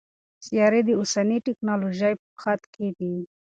سیارې د اوسني ټکنالوژۍ حد کې دي.